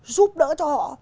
giúp đỡ cho họ